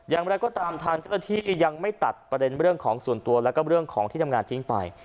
อย่างไรก็ตามทางเจ้าหน้าที่ยังไม่ตัดประเด็นเรื่องของส่วนตัวแล้วก็เรื่องของที่ทำงานทิ้งไป